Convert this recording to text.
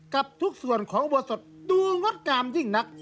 กับทุกส่วนของอุโบสถดูงดงามยิ่งนัก